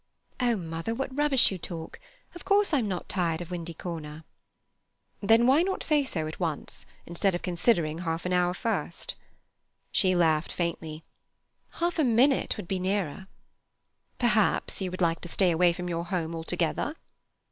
"Oh, mother, what rubbish you talk! Of course I'm not tired of Windy Corner." "Then why not say so at once, instead of considering half an hour?" She laughed faintly, "Half a minute would be nearer." "Perhaps you would like to stay away from your home altogether?"